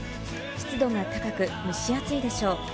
湿度が高く蒸し暑いでしょう。